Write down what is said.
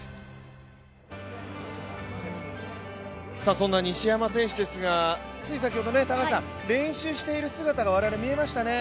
そんな西山選手ですがつい先ほど練習している姿が我々、見えましたね。